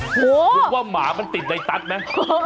คุณว่าหมามันติดในตั๊ดมั้ย